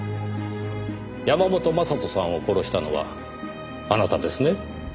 山本将人さんを殺したのはあなたですね？